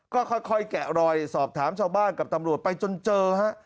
ก็ค่อยแกะรอยสอบถามชาวบ้านกับตำรวจไปจนเจอฮะ